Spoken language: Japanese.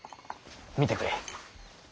見てくれ。